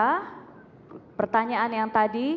nah pertanyaan yang tadi